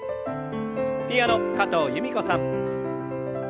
ピアノ加藤由美子さん。